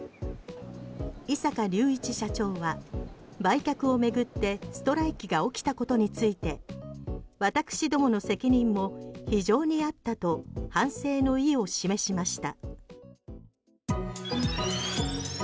井阪隆一社長は売却を巡ってストライキが起きたことについて私どもの責任も非常にあったと反省の意を示しました。